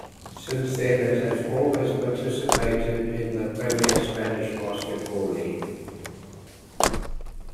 Since then, it has always participated in the premier Spanish basketball league.